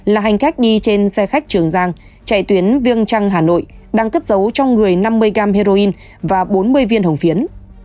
là hành khách đi trên xe khách trường giang chạy tuyến viêng trăng hà nội đang cất giấu trong người năm mươi gram heroin và bốn mươi viên hồng phiến